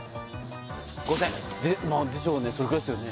５０００でしょうねそれぐらいっすよね